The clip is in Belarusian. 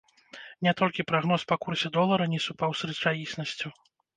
Не толькі прагноз па курсе долара не супаў з рэчаіснасцю.